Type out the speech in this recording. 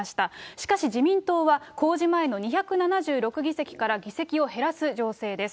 しかし、自民党は、公示前の２７６議席から議席を減らす情勢です。